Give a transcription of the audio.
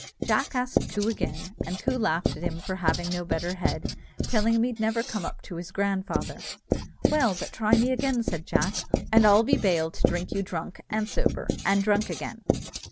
Jack asked Coo again, and Coo laughed at him for having no better head, telling him he'd never come up to his grandfather. "Well, but try me again," said Jack, "and I'll be bail to drink you drunk and sober, and drunk again."